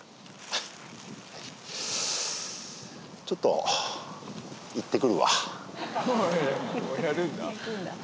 ちょっといってくるわ。